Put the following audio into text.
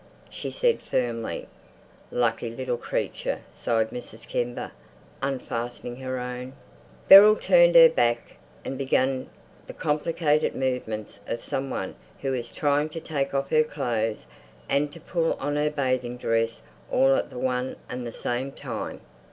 she said firmly. "Lucky little creature," sighed Mrs. Kember, unfastening her own. Beryl turned her back and began the complicated movements of some one who is trying to take off her clothes and to pull on her bathing dress all at one and the same time.